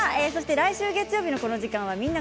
来週月曜日のこの時間は「みんな！